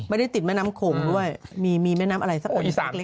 ไม่ได้ติดแม่น้ำโขงด้วยมีแม่น้ำอะไรสักบนสากเล็ก